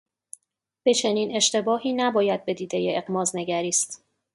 به چنین اشتباهی نباید بدیدهٔ اغماض نگریست.